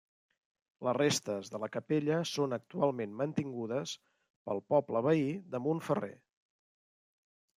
Les restes de la capella són actualment mantingudes pel poble veí de Montferrer.